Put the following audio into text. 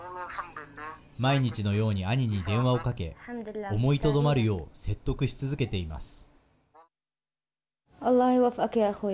毎日のように兄に電話をかけ思いとどまるよう説得し続けています。